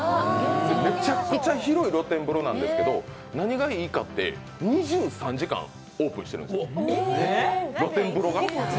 めちゃくちゃ広い露天風呂なんですけど何がいいかって、２３時間オープンしてるんです、露天風呂が。